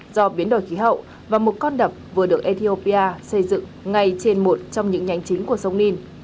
do biến đổi khí hậu và một con đập vừa được ethiopia xây dựng ngay trên một trong những nhánh chính của sông nin